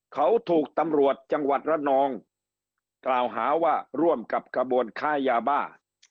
เขาถูกตำรวจจังหวัดระนองกล่าวหาว่าร่วมกับกระบวนค้ายาบ้า